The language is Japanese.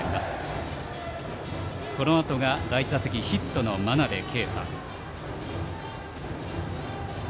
このあとが第１打席ヒットの真鍋慧。